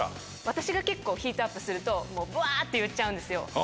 私が結構ヒートアップするとぶわって言っちゃうんですよ。